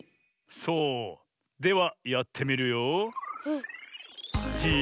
そうではやってみるよ。